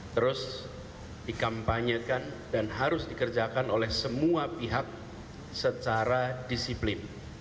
terus dikampanyekan dan harus dikerjakan oleh semua pihak secara disiplin